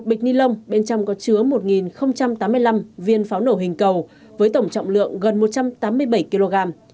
một bịch ni lông bên trong có chứa một tám mươi năm viên pháo nổ hình cầu với tổng trọng lượng gần một trăm tám mươi bảy kg